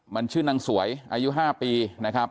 มันชื่อนางสวยอายุ๕ปีนะครับ